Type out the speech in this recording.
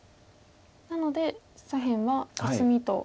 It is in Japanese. なので左辺はコスミと。